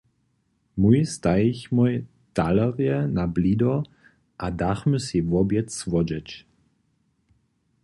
Mój stajichmoj talerje na blido a dachmy sej wobjed słodźeć.